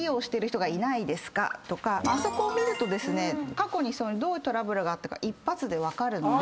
過去にどういうトラブルがあったか一発で分かるので。